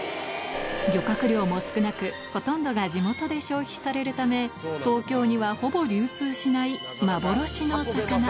漁獲量も少なく、ほとんどが地元で消費されるため、東京にはほぼ流通しない幻の魚。